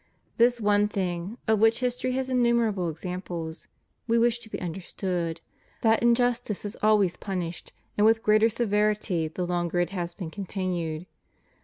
This one thing, of which history has innumerable ex amples, We wish to be understood, that injustice is always punished, and with greater severity the longer it has been continued.